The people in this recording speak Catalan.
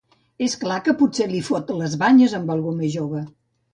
És clar que potser li fot les banyes amb algú més jove.